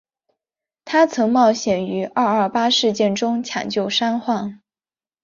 她曾冒险于二二八事件中抢救伤患。